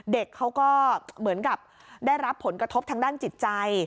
เด็กเขาก็เหมือนกับได้รับผลกระทบทางด้านจิตใจ